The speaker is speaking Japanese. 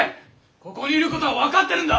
ここにいることは分かってるんだ！